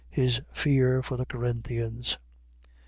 His fear for the Corinthians.